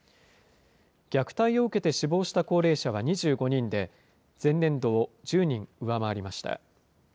虐待を受けて死亡した高齢者は２５人で、前年度を１０人上回りました。